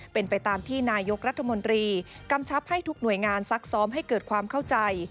เป็นไปตามที่นายกรัฐมนตรีกำชับให้ทุกหน่วยงานซักซ้อมให้เกิดความเข้าใจ